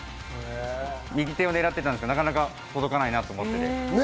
右手を狙っていたんですが、なかなか届かないなと思って。